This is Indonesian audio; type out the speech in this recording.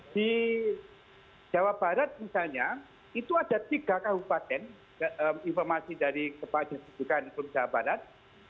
di jawa barat misalnya itu ada tiga kabupaten informasi dari kepajian kebutuhan keputusan jawa barat